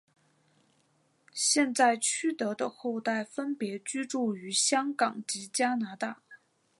现在区德的后代分别居住于香港及加拿大。